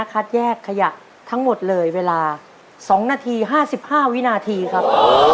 คัดแยกขยะทั้งหมดเลยเวลา๒นาที๕๕วินาทีครับ